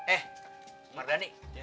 eh mbak dhani